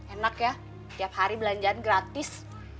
enak ya tiap hari belanjaan gratis